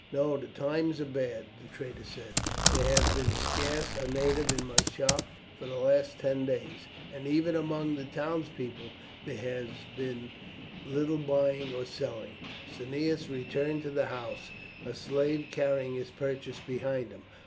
"No, the times are bad," the trader said; "there has been scarce a native in my shop for the last ten days, and even among the townspeople there has been little buying or selling." Cneius returned to the house, a slave carrying his purchases behind him.